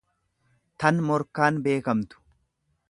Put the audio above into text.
tan morkaan beekamtu.